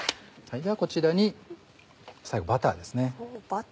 ではこちらに最後バターです。